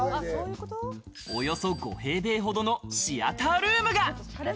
およそ５平米ほどのシアタールームが。